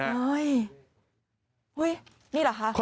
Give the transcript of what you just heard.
เฮ้ยนี่เหรอคะ